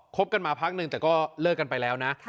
บกันมาพักนึงแต่ก็เลิกกันไปแล้วนะ